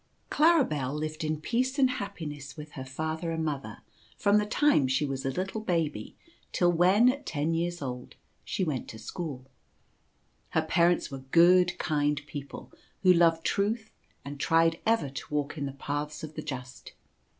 SLARIBEL lived in peace and happiness with : her father and mother, from the time she was [ little baby till when, at ten years old, she went to school. Her parents were good, kind people, who loved truth and tried ever to walk in the paths of the just.